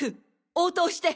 応答して！